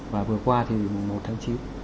và vừa qua thì một tháng chín